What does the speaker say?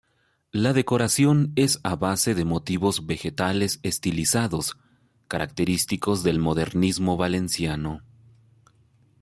La decoración es a base de motivos vegetales estilizados, característicos del modernismo valenciano.